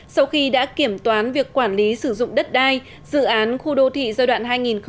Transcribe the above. sau khi đã kiểm toán việc quản lý sử dụng đất đai dự án khu đô thị giai đoạn hai nghìn một mươi ba hai nghìn một mươi sáu